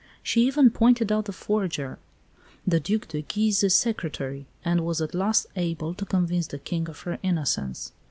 She even pointed out the forger, the Duc de Guise's secretary, and was at last able to convince the King of her innocence.